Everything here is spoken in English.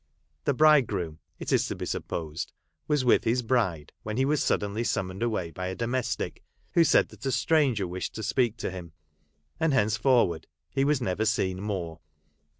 The bridegroom, it is to be supposed, was with his bride, when he was suddenly summoned away by a domestic, who said that a stranger wished to speak to him ; and henceforward he was never seen more.